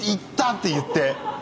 て言って。